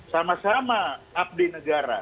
sama sama abdi negara